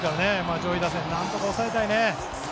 上位打線なんとか抑えたいね。